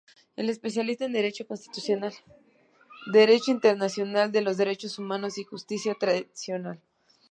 Es especialista en derecho constitucional, derecho internacional de los derechos humanos y justicia transicional.